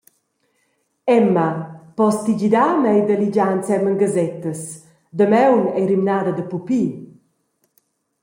Emma, pos ti gidar mei da ligiar ensemen gasettas, damaun ei rimnada da pupi?